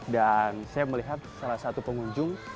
dan saya melihat salah satu pengunjung